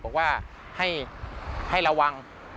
บอกว่าให้ระวัง